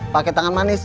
pakai tangan manis